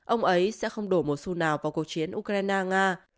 ông ấy sẽ không đổ một số nào vào cuộc chiến ukraine nga